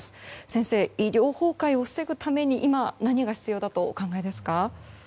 先生、医療崩壊を防ぐために今何が必要だとお考えですか？